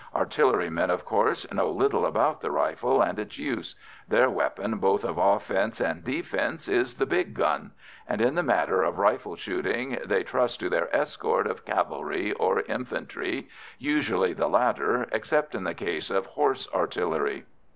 Artillerymen, of course, know little about the rifle and its use; their weapon both of offence and defence is the big gun, and in the matter of rifle shooting they trust to their escort of cavalry or infantry usually the latter, except in the case of Horse Artillery.